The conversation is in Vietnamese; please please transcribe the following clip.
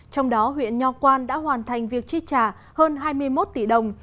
trong đó huyện nho quang đã hoàn thành việc chi trả hơn hai mươi một tỷ đồng